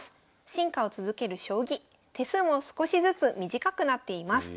進化を続ける将棋手数も少しずつ短くなっています。